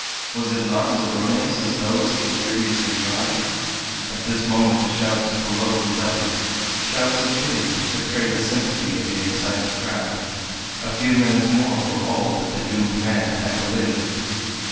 Was it not as erroneous as those he had previously tried? At this moment the shouts below redoubled shouts of pity which betrayed the sympathy of the excited crowd. A few minutes more were all that the doomed man had to live!